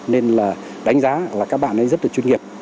nên là đánh giá là các bạn ấy rất là chuyên nghiệp